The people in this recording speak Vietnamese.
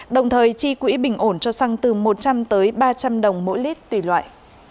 đồng thời chi quỹ bình ổn cho xăng từ một trăm linh tới ba trăm linh đồng mỗi lít tùy loại